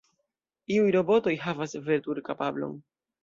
Iuj robotoj havas veturkapablon.